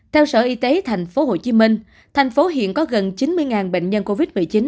theo sở y tế thành phố hồ chí minh thành phố hiện có gần chín mươi bệnh nhân covid một mươi chín